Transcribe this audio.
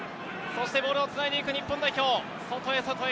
そしてボールをつないでいく日本代表。